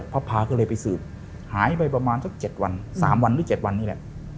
พระพาก็เลยไปสืบหายไปประมาณสัก๗วัน๓วันหรือ๗วันนี้แหละ